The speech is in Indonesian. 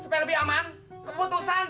supaya lebih aman keputusan